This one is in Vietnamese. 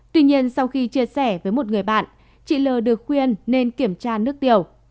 tuy nhiên sau khi chia sẻ với một người bạn chị l được khuyên nên kiểm tra nước tiểu